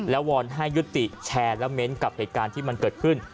วอนให้ยุติแชร์และเม้นต์กับเหตุการณ์ที่มันเกิดขึ้น